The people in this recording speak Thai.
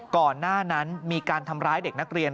ก่อนหน้านั้นมีการทำร้ายเด็กนักเรียน